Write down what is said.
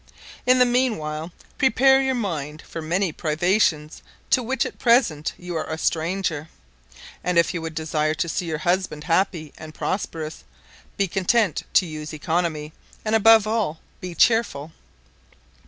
In the mean while prepare your mind for many privations to which at present you are a stranger; and if you would desire to see your husband happy and prosperous, be content to use economy, and above all, be cheerful.